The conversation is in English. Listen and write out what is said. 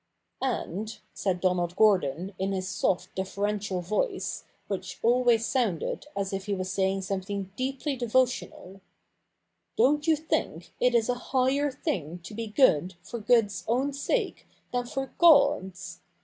' And,' said Donald Gordon in his soft deferential voice, which always sounded as if he was saying some thing deeply devotional, ' don't you think it is a higher thing to be good for good's own sake than for God's?